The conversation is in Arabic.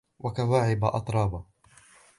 وَكَوَاعِبَ أَتْرَابًا